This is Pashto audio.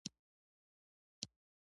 زه یوه ټوټه د لمر غواړم